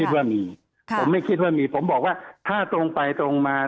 ว่ามีผมไม่คิดว่ามีผมบอกว่าถ้าตรงไปตรงมา